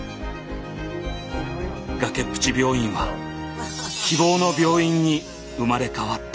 崖っぷち病院は希望の病院に生まれ変わった。